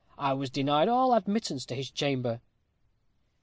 I was denied all admittance to his chamber."